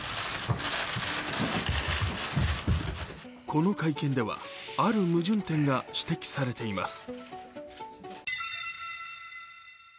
この会見ではある矛盾点が指摘されています。